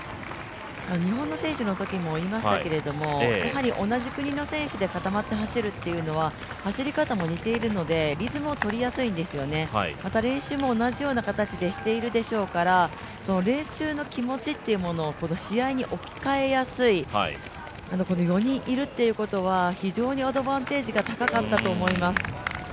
日本の選手の時もいいましたけど同じ国の選手で固まって走るというのはリズムが似ているのでリズムをとりやすいんですよね、また練習も同じような形でしているでしょうから練習の気持ちというものを試合に置き換えやすい４人いるということは非常にアドバンテージが高かったと思います。